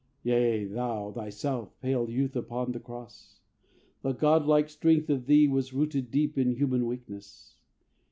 "Yea, thou thyself, pale youth upon the cross The godlike strength of thee was rooted deep In human weakness.